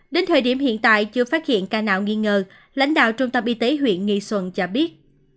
đến thời điểm hiện tại chưa phát hiện ca nào nghi ngờ lãnh đạo trung tâm y tế huyện nghi xuân cho biết